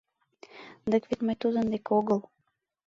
— Дык вет мый тудын дек огыл!